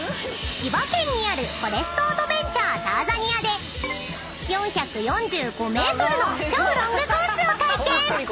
［千葉県にあるフォレストアドベンチャー・ターザニアで４４５ｍの超ロングコースを体験］